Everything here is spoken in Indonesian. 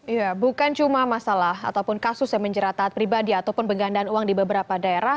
ya bukan cuma masalah ataupun kasus yang menjerat taat pribadi ataupun penggandaan uang di beberapa daerah